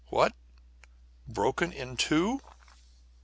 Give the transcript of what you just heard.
What? Broken in two?